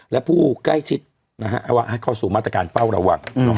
และผู้ใกล้ชิดนะฮะว่าให้เข้าสู่มาตรการเฝ้าระวัง